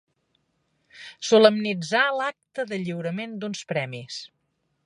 Solemnitzar l'acte de lliurament d'uns premis.